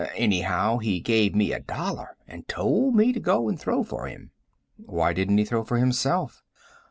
Anyhow, he gave me a dollar and told me to go and throw for him." "Why didn't he throw for himself?"